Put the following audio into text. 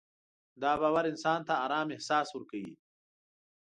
دا باور انسان ته ارام احساس ورکوي.